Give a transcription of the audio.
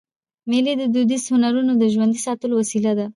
مېلې د دودیزو هنرونو د ژوندي ساتلو وسیله ده.